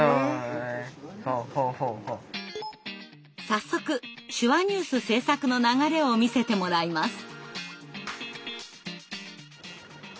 早速手話ニュース制作の流れを見せてもらいます。